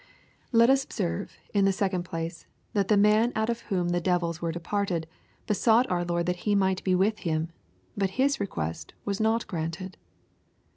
Let us observe, in tne second place, that the man out of whom the devils were departed^ besought ow J^ord thai he might he with Him^ hut his request was not granted.